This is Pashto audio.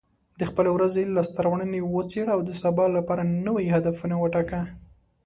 د خپلې ورځې لاسته راوړنې وڅېړه، او د سبا لپاره نوي هدفونه وټاکه.